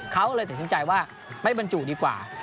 เขาเลยตัดสินใจว่าไม่บรรจุดีกว่า